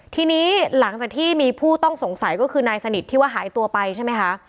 ทีนี้หลังจากที่มีผู้ต้องสงสัยก็คือนายสนิทที่ว่าหายตัวไปใช่ไหมคะ